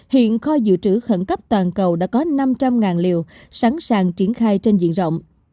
hiện kho dự trữ khẩn cấp toàn cầu đã có năm trăm linh liều sẵn sàng triển khai trên diện rộng